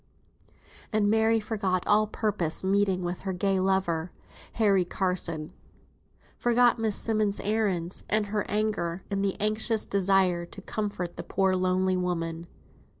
And Mary forgot all purposed meeting with her gay lover, Harry Carson; forgot Miss Simmonds' errands, and her anger, in the anxious desire to comfort the poor lone woman.